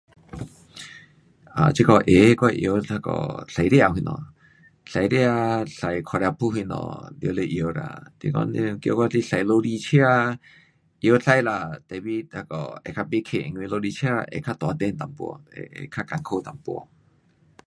啊，这个会，我会晓那个驾车什么，驾车，驾脚车噗什么完了会晓啦，若讲叫我去驾罗厘车，会晓驾啦 tapi 那个会较不棒，因为罗厘车较大辆一点，会会较困苦一点。